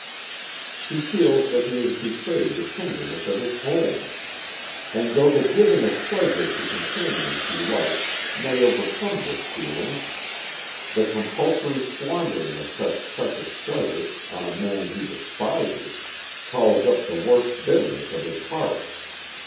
He feels that he has betrayed the tenderness of his home; and though the giving of pleasure to companions he likes may overcome this feeling, the compulsory squandering of such precious pleasure on a man he despises calls up the worst bitterness of his heart.